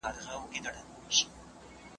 اصلي خبره پېچلې ده.